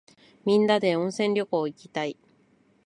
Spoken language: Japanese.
みんなで温泉旅行いきたい。